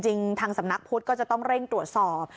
ทางสำนักพุทธก็จะต้องเร่งตรวจสอบ